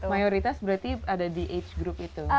mayoritas berarti ada di h group itu